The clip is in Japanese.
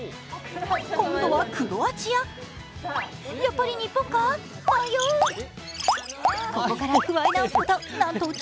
今度はクロアチアやっぱり日本か？